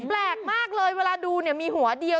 แปลกมากเลยเวลาดูเนี่ยมีหัวเดียว